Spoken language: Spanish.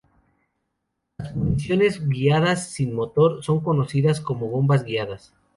Las municiones guiadas sin motor son conocidas como bombas guiadas.